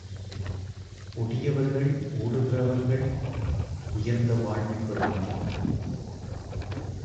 ஒடியவர்கள், ஓடுகிறவர்கள் உயர்ந்த வாழ்வைப் பெறுகின்றனர்.